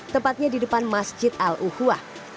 tepatnya di depan masjid al uhuah